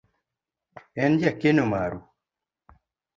En jakeno maru.